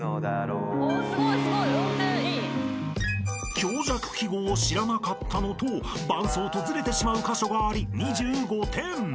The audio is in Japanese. ［強弱記号を知らなかったのと伴奏とずれてしまう箇所があり２５点］